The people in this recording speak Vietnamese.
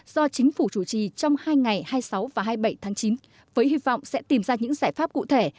do chính phủ chủ trì trong hai ngày hai mươi sáu và hai mươi bảy tháng chín với hy vọng sẽ tìm ra những giải pháp cụ thể